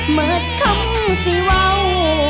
หมดคำสิว่าว